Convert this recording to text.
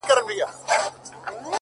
شرجلال مي ته. په خپل جمال کي کړې بدل.